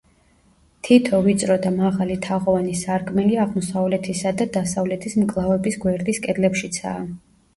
თითო ვიწრო და მაღალი თაღოვანი სარკმელი აღმოსავლეთისა და დასავლეთის მკლავების გვერდის კედლებშიცაა.